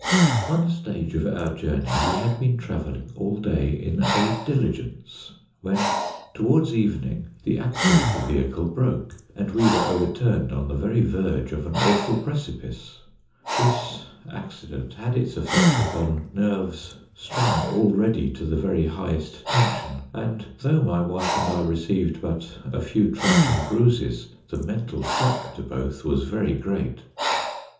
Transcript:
One stage of our journey we had been travelling all day in a ' diligence,' when towards evening the axle of the vehicle broke, and we were overturned on the very verge of an awful precipice. This accident had its effect upon nerves, strung already to the very highest tension, and, though my wife and I received but a few trifling bruises, the mental shock to both was very great.